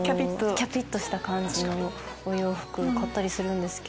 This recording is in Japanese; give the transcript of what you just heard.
キャピっとした感じのお洋服買ったりするんですけど。